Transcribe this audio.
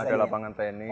ada lapangan tenis